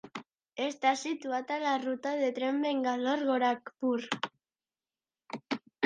Està situat a la ruta de tren Bangalore - Gorakhpur.